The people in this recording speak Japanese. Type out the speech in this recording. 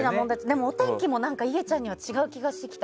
でも、お天気も何かいげちゃんには違う気がしてきた。